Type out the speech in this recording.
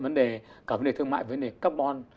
vấn đề cả vấn đề thương mại vấn đề carbon